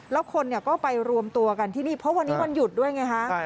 แล้วคนก็ไปรวมตัวกันที่นี่เพราะวันนี้วันหยุดด้วยไงฮะ